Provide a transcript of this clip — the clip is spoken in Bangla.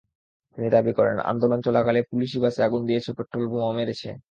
তিনি দাবি করেন, আন্দোলন চলাকালে পুলিশই বাসে আগুন দিয়েছে, পেট্রলবোমা মেরেছে।